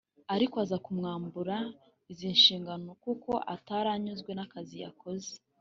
ariko aza kumwambura izi nshingano kuko atari yanyuzwe n’akazi yakoze